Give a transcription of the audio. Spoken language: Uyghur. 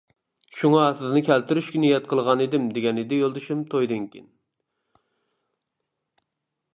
شۇڭا سىزنى كەلتۈرۈشكە نىيەت قىلغانىدىم دېگەنىدى يولدىشىم تويدىن كېيىن.